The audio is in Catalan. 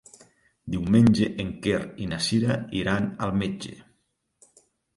Diumenge en Quer i na Cira iran al metge.